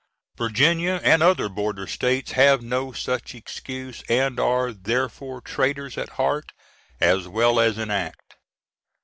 Virginia, and other border states, have no such excuse and are therefore traitors at heart as well as in act.